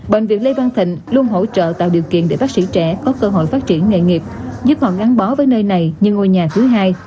bệnh viện lê văn thịnh luôn hỗ trợ tạo điều kiện để bác sĩ trẻ có cơ hội phát triển nghề nghiệp giúp họ gắn bó với nơi này như ngôi nhà thứ hai